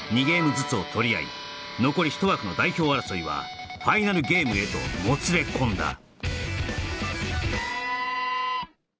２ゲームずつをとり合い残り１枠の代表争いはファイナルゲームへともつれ込んだ２